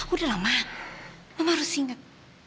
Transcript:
udah lah ma mama harus ingat